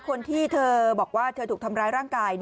คนที่เธอบอกว่าเธอถูกทำร้ายร่างกาย